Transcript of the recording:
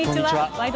「ワイド！